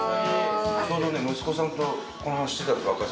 ちょうどね息子さんとこの話してたんですワカサギ。